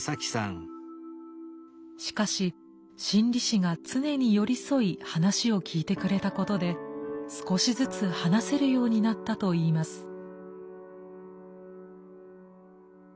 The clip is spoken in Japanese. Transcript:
しかし心理師が常に寄り添い話を聞いてくれたことで少しずつ話せるようになったといいます。